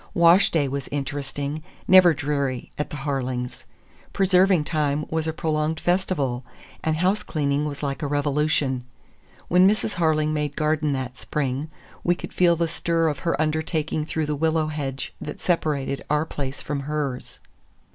Wash day was interesting, never dreary, at the Harlings'. Preserving time was a prolonged festival, and house cleaning was like a revolution. When Mrs. Harling made garden that spring, we could feel the stir of her undertaking through the willow hedge that separated our place from hers.